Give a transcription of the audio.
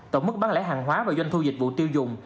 tổng mức bán lẻ hàng hóa và doanh thu dịch vụ tiêu dùng